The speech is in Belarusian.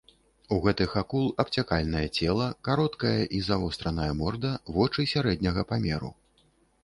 У гэтых акул абцякальнае цела, кароткая і завостраная морда, вочы сярэдняга памеру.